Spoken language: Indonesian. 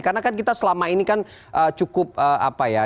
karena kan kita selama ini kan cukup apa ya